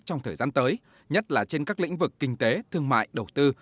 trong thời gian tới nhất là trên các lĩnh vực kinh tế thương mại đầu tư